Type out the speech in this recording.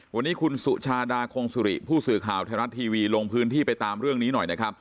วันนี้คุณสุชาดาคงสุริผู้สื่อข่าวไทยรัฐทีวีลงพื้นที่ไปตามเรื่องนี้หน่อยนะครับ